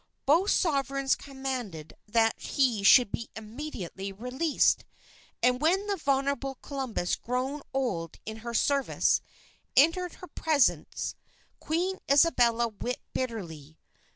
Both Sovereigns commanded that he should be immediately released. And when the venerable Columbus grown old in her service, entered her presence, Queen Isabella wept bitterly.